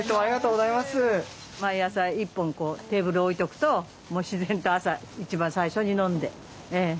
毎朝１本テーブル置いとくともう自然と朝一番最初に飲んでええ。